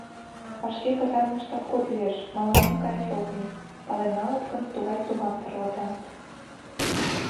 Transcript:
— Вашке казармыште обход лиеш, мыланем каяш ок лий, пален налыт гын, тугай тумам тарватат.